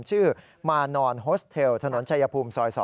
ชื่อมานอนโฮสเทลถนนชายภูมิซอย๒